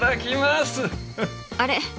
あれ？